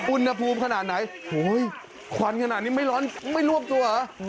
อุณหภูมิขนาดไหนโอ้โฮขวัญขนาดนี้ไม่ร้อนไม่ร่วมตัว